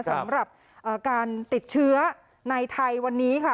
สำหรับการติดเชื้อในไทยวันนี้ค่ะ